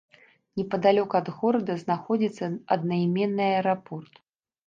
Непадалёк ад горада знаходзіцца аднайменны аэрапорт.